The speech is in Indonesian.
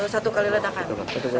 satu kali ledakan